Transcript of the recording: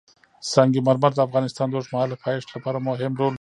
سنگ مرمر د افغانستان د اوږدمهاله پایښت لپاره مهم رول لري.